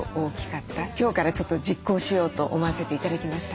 今日からちょっと実行しようと思わせて頂きました。